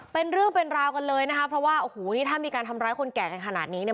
เป็นเรื่องเป็นราวกันเลยนะครับเพราะว่าถ้ามีการทำร้ายคนแก่ขนาดนี้